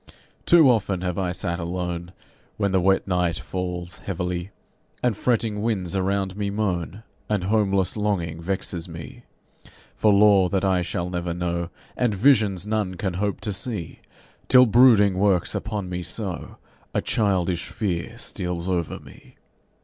Too often have I sat alone When the wet night falls heavily, And fretting winds around me moan, And homeless longing vexes me For lore that I shall never know, And visions none can hope to see, Till brooding works upon me so A childish fear steals over me.